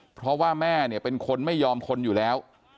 เพราะว่าแม่เนี่ยเป็นคนไม่ยอมคนอยู่แล้ว